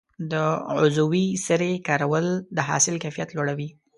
د عضوي سرې کارول د حاصل کیفیت لوړوي.